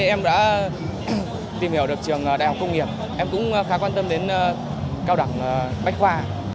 em đã tìm hiểu được trường đại học công nghiệp em cũng khá quan tâm đến cao đẳng bách khoa